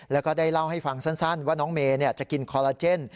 แล้วก็ได้เล่าให้ฟังสั้นว่าน้องเมย์จะกินคอลลาเจน